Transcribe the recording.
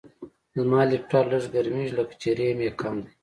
زما لپټاپ لږ ګرمېږي، لکه چې ریم یې کم دی.